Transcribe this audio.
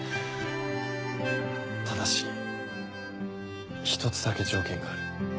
ただし１つだけ条件がある。